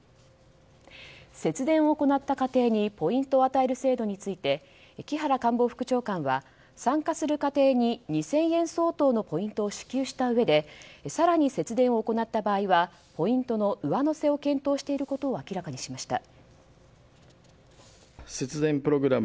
節電を行った家庭にポイントを与える制度について木原官房副長官は参加する家庭に２０００円相当のポイントを支給したうえで更に節電を行った場合はポイントの上乗せを検討していることを明らかにしました。